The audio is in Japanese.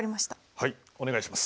はいお願いします。